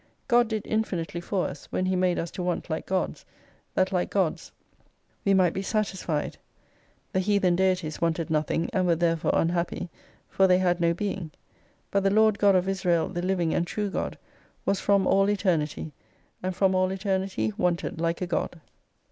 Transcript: God did infinitely for us, when He made us to want like Gods, that like Gods we might be satis 28 fied. The heathen Deities wanted nothing, and were therefore unhappy, for they had no being. But the Lord God of Israel the Living and True God, was from all Eternity, and from all Eternity wanted Hke a God.